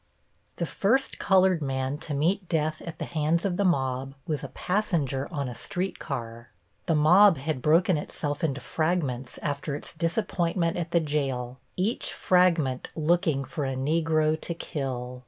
The first colored man to meet death at the hands of the mob was a passenger on a street car. The mob had broken itself into fragments after its disappointment at the jail, each fragment looking for a Negro to kill.